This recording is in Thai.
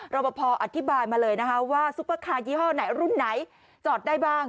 บพออธิบายมาเลยนะคะว่าซุปเปอร์คาร์ี่ห้อไหนรุ่นไหนจอดได้บ้าง